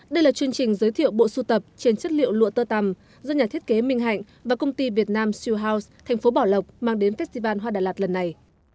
đây là chương trình giới thiệu bộ sưu tập trên chất liệu lụa tơ tằm do nhà thiết kế minh hạnh và công ty việt nam siêu house thành phố bảo lộc mang đến festival hoa đà lạt lần này